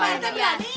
pak rete berani